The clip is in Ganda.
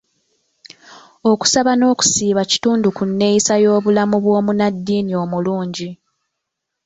Okusaba n'okusiiba kitundu ku neeyisa y'obulamu bw'omunnaddiini omulungi.